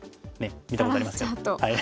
見たことありますね。